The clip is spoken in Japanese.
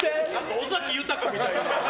尾崎豊みたいだ。